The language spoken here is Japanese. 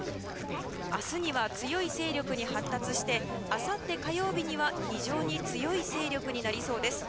明日には強い勢力に発達してあさって火曜日には非常に強い勢力になりそうです。